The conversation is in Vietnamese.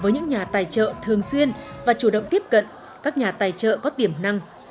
nhà tài trợ thường xuyên và chủ động tiếp cận các nhà tài trợ có tiềm năng